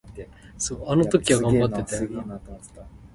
上港有名聲，下港蓋出名